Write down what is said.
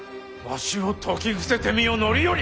わしを説き伏せてみよ範頼！